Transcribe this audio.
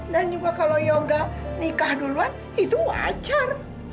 dan juga kalau yoga nikah duluan itu wajar